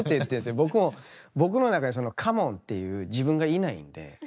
僕も僕の中に「カモン！」っていう自分がいないんで。